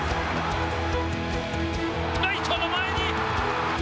ライトの前に。